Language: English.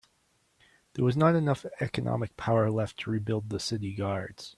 There was not enough economic power left to rebuild the city guards.